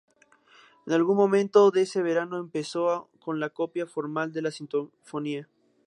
En algún momento de ese verano empezó con la copia formal de la sinfonía.